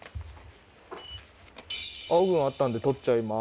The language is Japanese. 青軍あったんで取っちゃいます。